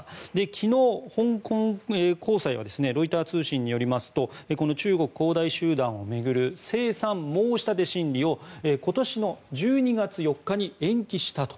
昨日、香港高裁はロイター通信によりますとこの中国恒大集団を巡る清算申し立て審理を今年の１２月４日に延期したと。